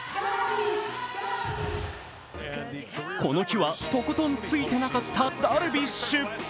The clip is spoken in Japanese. この日は、とことんついてなかったダルビッシュ。